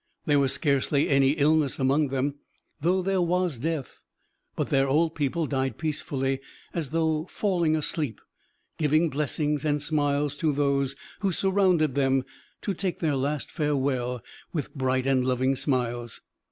There was scarcely any illness among them, though there was death; but their old people died peacefully, as though falling asleep, giving blessings and smiles to those who surrounded them to take their last farewell with bright and loving smiles.